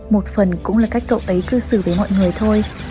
một phần cũng là cách cậu ấy cư xử với mọi người thôi